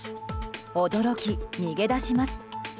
驚き、逃げ出します。